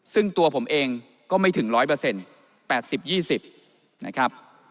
ซึ่งตัวผมเองก็ไม่ถึง๑๐๐๘๐๒๐นะครับ